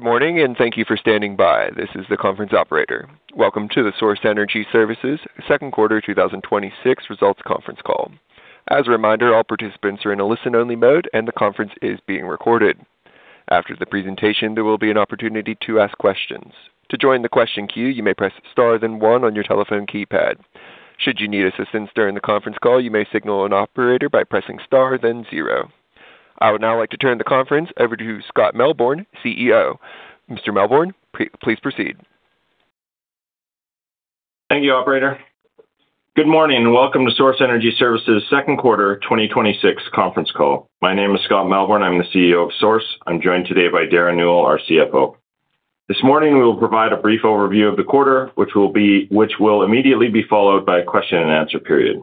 Good morning. Thank you for standing by. This is the conference operator. Welcome to the Source Energy Services second quarter 2026 results conference call. As a reminder, all participants are in a listen-only mode. The conference is being recorded. After the presentation, there will be an opportunity to ask questions. To join the question queue, you may press star then one on your telephone keypad. Should you need assistance during the conference call, you may signal an operator by pressing star then zero. I would now like to turn the conference over to Scott Melbourn, CEO. Mr. Melbourn, please proceed. Thank you, operator. Good morning. Welcome to Source Energy Services second quarter 2026 conference call. My name is Scott Melbourn. I'm the CEO of Source. I'm joined today by Derren Newell, our CFO. This morning, we will provide a brief overview of the quarter, which will immediately be followed by a question and answer period.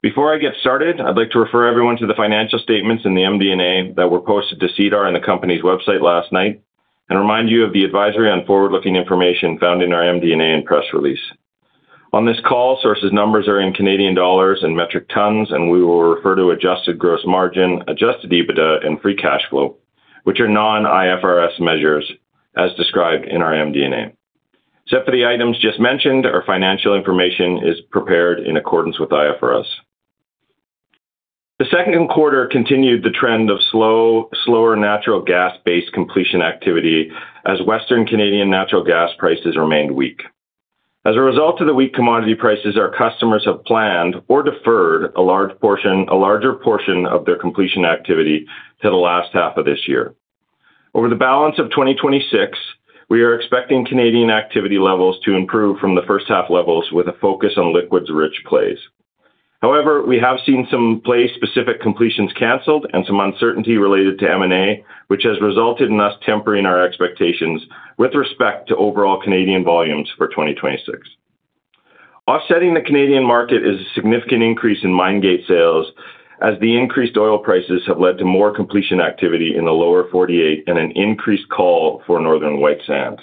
Before I get started, I'd like to refer everyone to the financial statements in the MD&A that were posted to SEDAR and the company's website last night and remind you of the advisory on forward-looking information found in our MD&A and press release. On this call, Source's numbers are in CAD and metric tons. We will refer to adjusted gross margin, adjusted EBITDA, and free cash flow, which are non-IFRS measures as described in our MD&A. Except for the items just mentioned, our financial information is prepared in accordance with IFRS. The second quarter continued the trend of slower natural gas-based completion activity as Western Canadian natural gas prices remained weak. As a result of the weak commodity prices, our customers have planned or deferred a larger portion of their completion activity to the last half of this year. Over the balance of 2026, we are expecting Canadian activity levels to improve from the first half levels with a focus on liquids-rich plays. We have seen some play-specific completions canceled and some uncertainty related to M&A, which has resulted in us tempering our expectations with respect to overall Canadian volumes for 2026. Offsetting the Canadian market is a significant increase in mine gate sales as the increased oil prices have led to more completion activity in the lower 48 and an increased call for Northern White sand.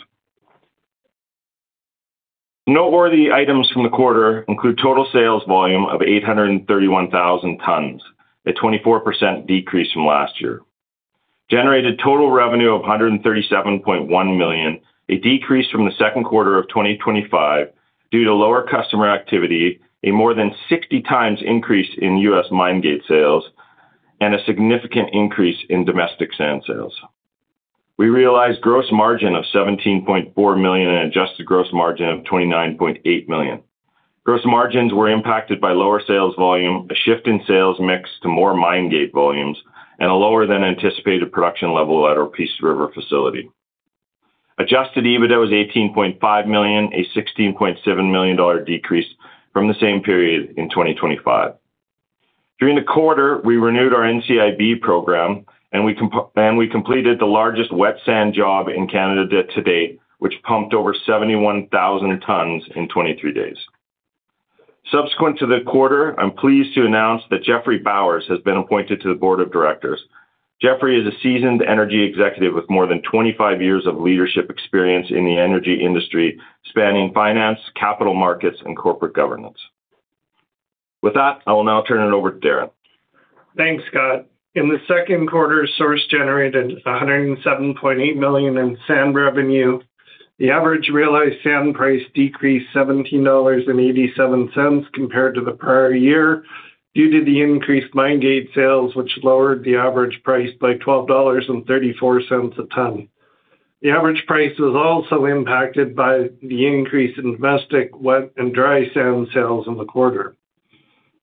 Noteworthy items from the quarter include total sales volume of 831,000 tons, a 24% decrease from last year. Generated total revenue of 137.1 million, a decrease from the second quarter of 2025 due to lower customer activity, a more than 60x increase in U.S. mine gate sales, and a significant increase in domestic sand sales. We realized gross margin of 17.4 million and adjusted gross margin of 29.8 million. Gross margins were impacted by lower sales volume, a shift in sales mix to more mine gate volumes, and a lower than anticipated production level at our Peace River facility. Adjusted EBITDA was 18.5 million, a 16.7 million dollar decrease from the same period in 2025. During the quarter, we renewed our NCIB program. We completed the largest wet sand job in Canada to date, which pumped over 71,000 tons in 23 days. Subsequent to the quarter, I'm pleased to announce that Jeffrey Bowers has been appointed to the board of directors. Jeffrey is a seasoned energy executive with more than 25 years of leadership experience in the energy industry, spanning finance, capital markets, and corporate governance. With that, I will now turn it over to Derren. Thanks, Scott. In the second quarter, Source generated 107.8 million in sand revenue. The average realized sand price decreased 17.87 dollars compared to the prior year due to the increased mine gate sales, which lowered the average price by 12.34 dollars a ton. The average price was also impacted by the increase in domestic wet and dry sand sales in the quarter.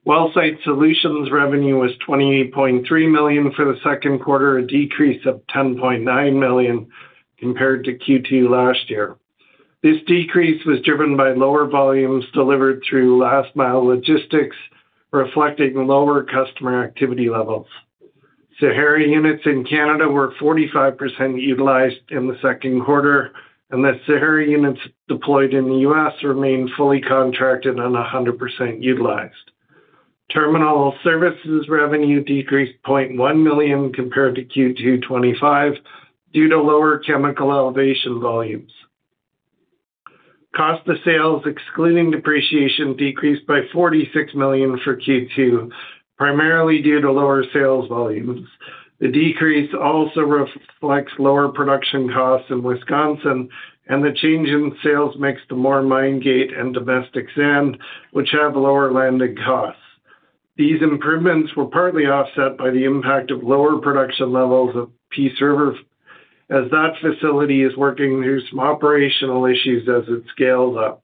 WellSite Solutions revenue was 28.3 million for the second quarter, a decrease of 10.9 million compared to Q2 last year. This decrease was driven by lower volumes delivered through Last Mile Logistics, reflecting lower customer activity levels. Sahara units in Canada were 45% utilized in the second quarter, and the Sahara units deployed in the U.S. remain fully contracted and 100% utilized. Terminal Services revenue decreased 0.1 million compared to Q2 2025 due to lower chemical elevation volumes. Cost of sales, excluding depreciation, decreased by 46 million for Q2, primarily due to lower sales volumes. The decrease also reflects lower production costs in Wisconsin and the change in sales mix to more mine gate and domestic sand, which have lower landing costs. These improvements were partly offset by the impact of lower production levels of Peace River, as that facility is working through some operational issues as it scales up.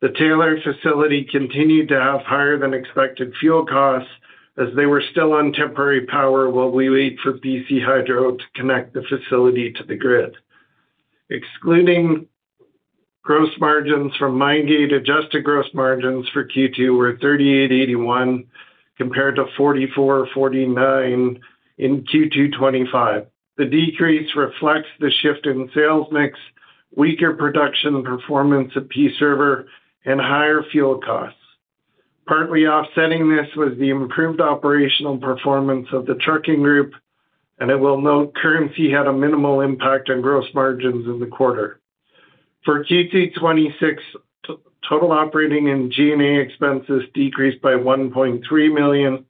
The Taylor facility continued to have higher than expected fuel costs as they were still on temporary power while we wait for BC Hydro to connect the facility to the grid. Excluding gross margins from mine gate, adjusted gross margins for Q2 were 38.81 compared to 44.49 in Q2 2025. The decrease reflects the shift in sales mix, weaker production performance at Peace River, and higher fuel costs. Partly offsetting this was the improved operational performance of the trucking group. I will note currency had a minimal impact on gross margins in the quarter. For Q2 2026, total operating and G&A expenses decreased by 1.3 million.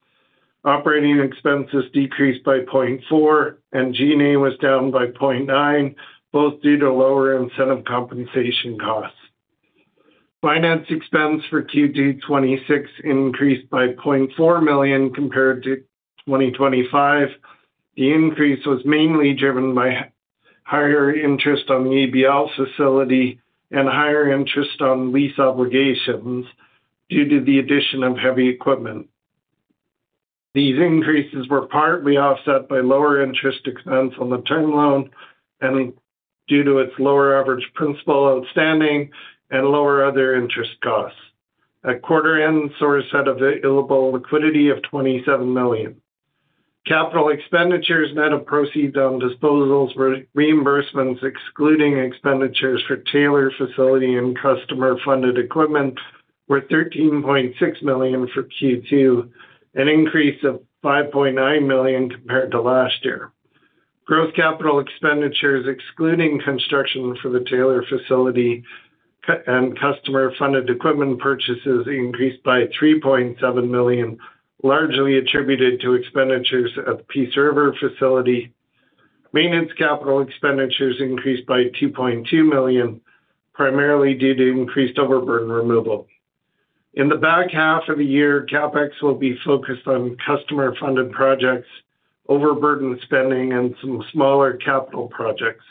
Operating expenses decreased by 0.4 million, and G&A was down by 0.9 million, both due to lower incentive compensation costs. Finance expense for Q2 2026 increased by 0.4 million compared to 2025. The increase was mainly driven by higher interest on the ABL facility and higher interest on lease obligations due to the addition of heavy equipment. These increases were partly offset by lower interest expense on the term loan and due to its lower average principal outstanding and lower other interest costs. At quarter end, Source had available liquidity of 27 million. Capital expenditures net of proceeds on disposals were reimbursements excluding expenditures for Taylor facility and customer-funded equipment, were 13.6 million for Q2, an increase of 5.9 million compared to last year. Growth capital expenditures, excluding construction for the Taylor facility and customer-funded equipment purchases, increased by 3.7 million, largely attributed to expenditures of Peace River facility. Maintenance capital expenditures increased by 2.2 million, primarily due to increased overburden removal. In the back half of the year, CapEx will be focused on customer-funded projects, overburden spending, and some smaller capital projects.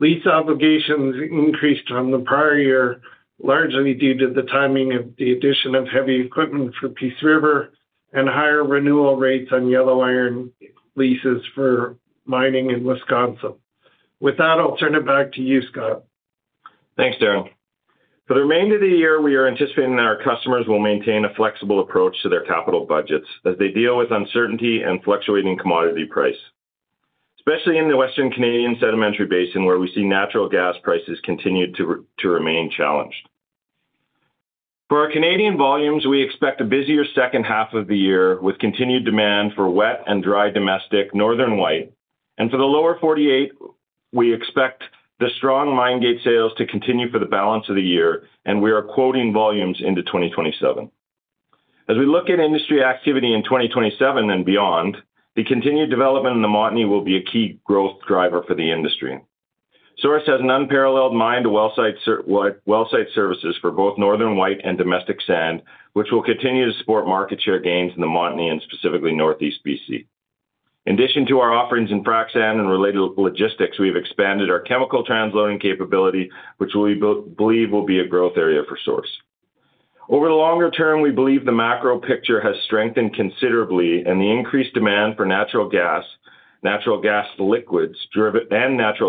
Lease obligations increased from the prior year, largely due to the timing of the addition of heavy equipment for Peace River and higher renewal rates on Yellow Iron leases for mining in Wisconsin. With that, I'll turn it back to you, Scott. Thanks, Derren. For the remainder of the year, we are anticipating that our customers will maintain a flexible approach to their capital budgets as they deal with uncertainty and fluctuating commodity price, especially in the Western Canadian Sedimentary Basin, where we see natural gas prices continue to remain challenged. For our Canadian volumes, we expect a busier second half of the year with continued demand for wet and dry domestic Northern White. For the Lower 48, we expect the strong mine gate sales to continue for the balance of the year, and we are quoting volumes into 2027. As we look at industry activity in 2027 and beyond, the continued development in the Montney will be a key growth driver for the industry. Source has an unparalleled mine-to-well site services for both Northern White and domestic sand, which will continue to support market share gains in the Montney and specifically Northeast B.C. In addition to our offerings in frac sand and related logistics, we've expanded our chemical transloading capability, which we believe will be a growth area for Source. Over the longer term, we believe the macro picture has strengthened considerably, and the increased demand for natural gas and natural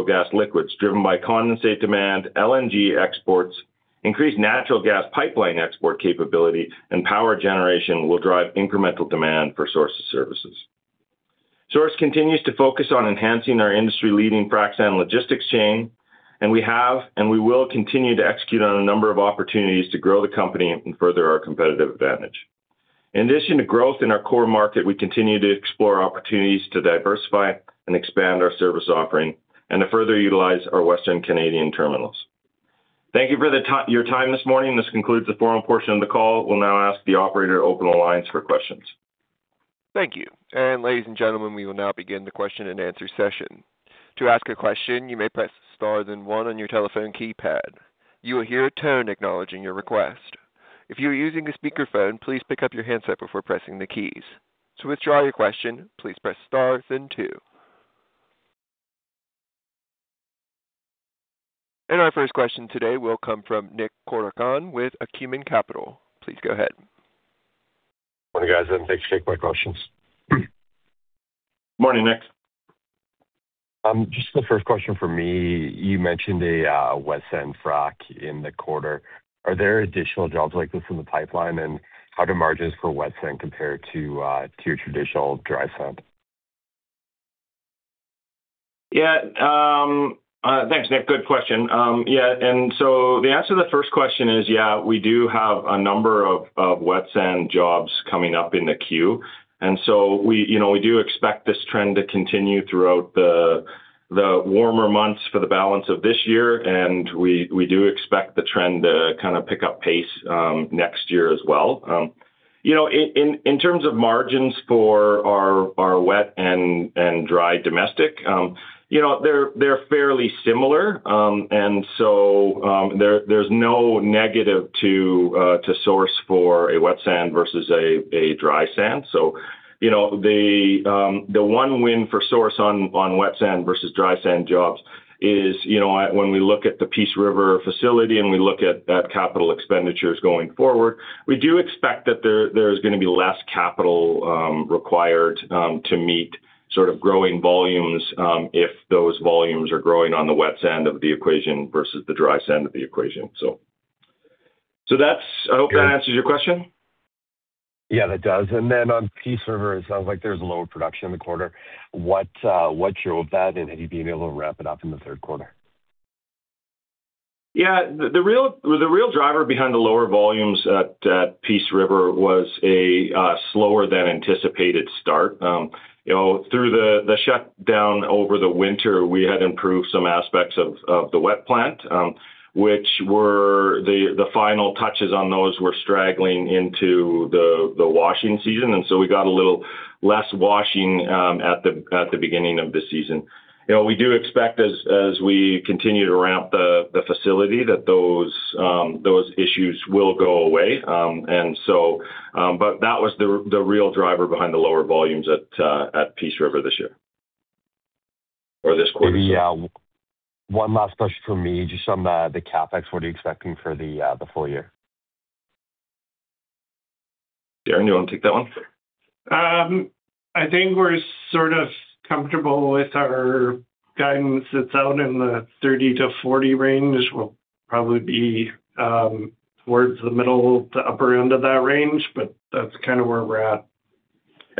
gas liquids driven by condensate demand, LNG exports, increased natural gas pipeline export capability, and power generation will drive incremental demand for Source's services. Source continues to focus on enhancing our industry-leading frac sand logistics chain, and we will continue to execute on a number of opportunities to grow the company and further our competitive advantage. In addition to growth in our core market, we continue to explore opportunities to diversify and expand our service offering and to further utilize our Western Canadian terminals. Thank you for your time this morning. This concludes the formal portion of the call. We'll now ask the operator to open the lines for questions. Thank you. Ladies and gentlemen, we will now begin the question-and-answer session. To ask a question, you may press star then one on your telephone keypad. You will hear a tone acknowledging your request. If you are using a speakerphone, please pick up your handset before pressing the keys. To withdraw your question, please press star then two. Our first question today will come from Nick Corcoran with Acumen Capital. Please go ahead. Morning, guys, thanks for taking my questions. Morning, Nick. Just the first question from me, you mentioned a wet sand frac in the quarter. Are there additional jobs like this in the pipeline? How do margins for wet sand compare to your traditional dry sand? Thanks, Nick. Good question. The answer to that first question is, we do have a number of wet sand jobs coming up in the queue. We do expect this trend to continue throughout the warmer months for the balance of this year. We do expect the trend to kind of pick up pace next year as well. In terms of margins for our wet and dry domestic, they're fairly similar. There's no negative to Source Energy Services for a wet sand versus a dry sand. The one win for Source Energy Services on wet sand versus dry sand jobs is when we look at the Peace River facility and we look at capital expenditures going forward, we do expect that there's going to be less capital required to meet sort of growing volumes if those volumes are growing on the wet sand of the equation versus the dry sand of the equation. I hope that answers your question. That does. On Peace River, it sounds like there's lower production in the quarter. What's your read on that, and have you been able to ramp it up in the third quarter? The real driver behind the lower volumes at Peace River was a slower than anticipated start. Through the shutdown over the winter, we had improved some aspects of the wet plant, which the final touches on those were straggling into the washing season, we got a little less washing at the beginning of the season. We do expect as we continue to ramp the facility, that those issues will go away. That was the real driver behind the lower volumes at Peace River this year or this quarter, sorry. Maybe one last question from me, just on the CapEx. What are you expecting for the full year? Derren, you want to take that one? I think we're sort of comfortable with our guidance that's out in the 30-40 range. We'll probably be towards the middle to upper end of that range, that's kind of where we're at.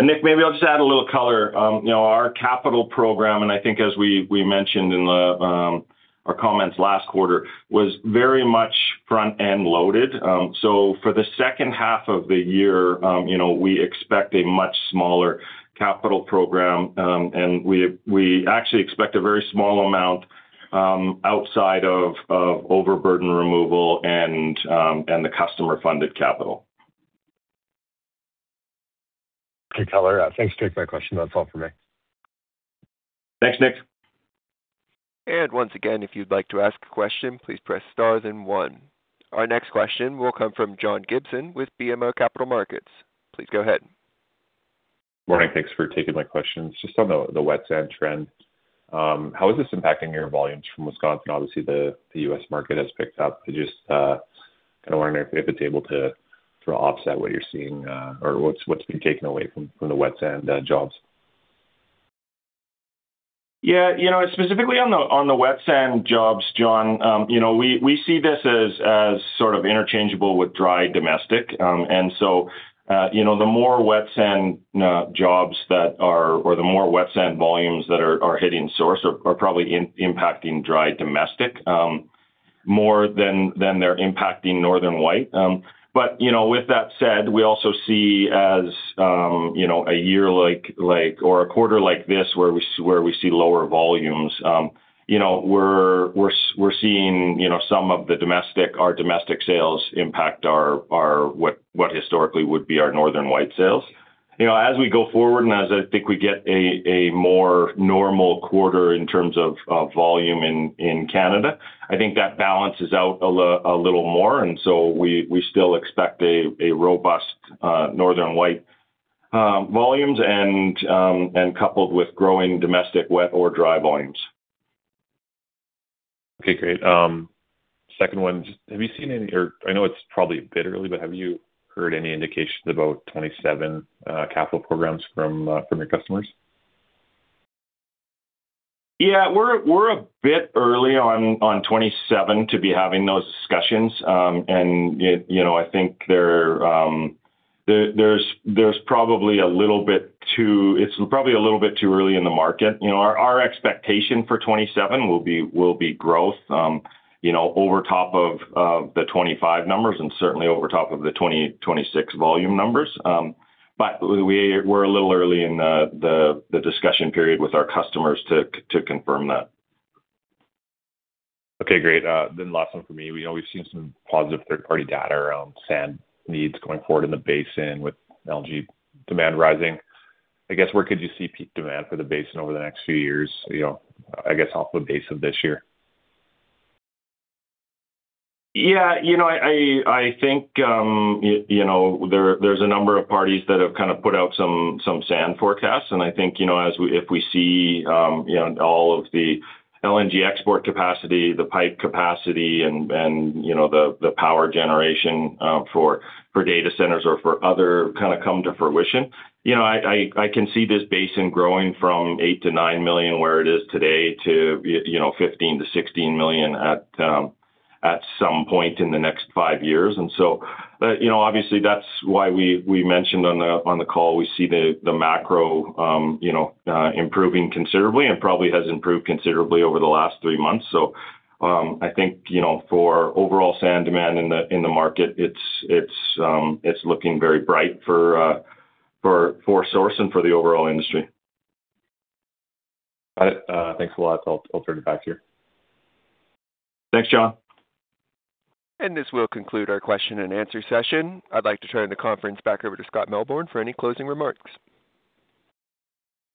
Nick, maybe I'll just add a little color. Our capital program, and I think as we mentioned in our comments last quarter, was very much front-end loaded. For the second half of the year, we expect a much smaller capital program. We actually expect a very small amount outside of overburden removal and the customer-funded capital. Good color. Thanks. Took my question. That's all for me. Thanks, Nick. Once again, if you'd like to ask a question, please press star then one. Our next question will come from John Gibson with BMO Capital Markets. Please go ahead. Morning. Thanks for taking my questions. Just on the wet sand trend, how is this impacting your volumes from Wisconsin? Obviously, the U.S. market has picked up. I just kind of wondering if it's able to sort of offset what you're seeing or what's been taken away from the wet sand jobs. Yeah. Specifically on the wet sand jobs, John, we see this as sort of interchangeable with dry domestic. The more wet sand jobs that are, or the more wet sand volumes that are hitting Source are probably impacting dry do`mestic more than they're impacting Northern White. With that said, we also see as a year like or a quarter like this where we see lower volumes, we're seeing some of our domestic sales impact what historically would be our Northern White sales. As we go forward and as I think we get a more normal quarter in terms of volume in Canada, I think that balances out a little more, we still expect a robust Northern White volumes and coupled with growing domestic wet or dry volumes. Okay, great. Second one, have you seen any, or I know it's probably a bit early, but have you heard any indications about 2027 capital programs from your customers? Yeah, we're a bit early on 2027 to be having those discussions. I think it's probably a little bit too early in the market. Our expectation for 2027 will be growth over top of the 2025 numbers and certainly over top of the 2026 volume numbers. We're a little early in the discussion period with our customers to confirm that. Okay, great. Last one from me. We know we've seen some positive third-party data around sand needs going forward in the basin with LNG demand rising. I guess where could you see peak demand for the basin over the next few years, I guess off the base of this year? Yeah. I think there's a number of parties that have kind of put out some sand forecasts. I think if we see all of the LNG export capacity, the pipe capacity, and the power generation for data centers or for other kind of come to fruition, I can see this basin growing from 8 million - 9 million, where it is today, to 15 million - 16 million at some point in the next five years. Obviously, that's why we mentioned on the call, we see the macro improving considerably and probably has improved considerably over the last three months. I think for overall sand demand in the market, it's looking very bright for Source and for the overall industry. Got it. Thanks a lot. I'll turn it back to you. Thanks, John. This will conclude our question and answer session. I'd like to turn the conference back over to Scott Melbourn for any closing remarks.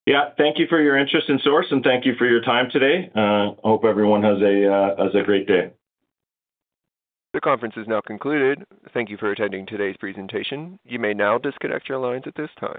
Yeah. Thank you for your interest in Source, and thank you for your time today. Hope everyone has a great day. The conference is now concluded. Thank you for attending today's presentation. You may now disconnect your lines at this time.